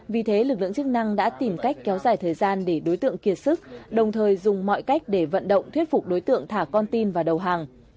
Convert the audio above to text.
vì thế lực lượng chức năng đã tìm cách kéo dài thời gian để đối tượng kiệt sức đồng thời dùng mọi cách để vận động thuyết phục đối tượng thả con tin vào đầu hàng